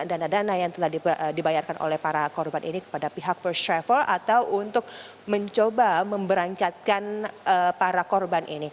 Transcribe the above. dana dana yang telah dibayarkan oleh para korban ini kepada pihak first travel atau untuk mencoba memberangkatkan para korban ini